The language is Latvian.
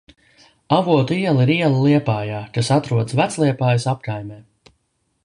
Avotu iela ir iela Liepājā, kas atrodas Vecliepājas apkaimē.